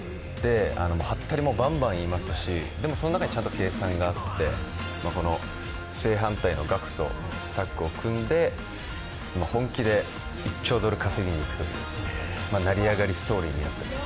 はったりもバンバン言いますし、でもその中にちゃんと計算があって、正反対のガクとタッグを組んで本気で１兆ドル稼ぎにいくという成り上がりストーリーになっています。